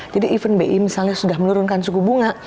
jadi even bi misalnya sudah menurunkan suku bunga